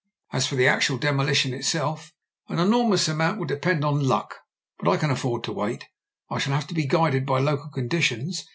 As for the actual de molition itself, an enormous amount will depend on luck; but I can afford to wait I shall have to be guided by local conditions.